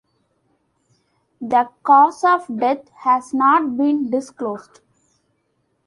The cause of death has not been disclosed.